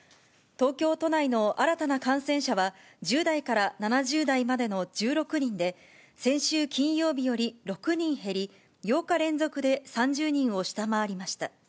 東京都内の新たな感染者は、１０代から７０代までの１６人で、先週金曜日より６人減り、８日連続で３０人を下回りました。